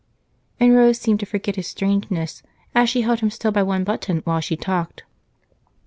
And Rose seemed to forget his strangeness, as she held him still by one button while she talked.